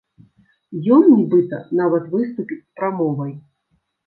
Ён, нібыта, нават выступіць з прамовай.